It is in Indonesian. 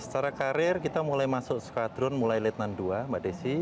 secara karir kita mulai masuk skadron mulai lieutenant dua mbak desi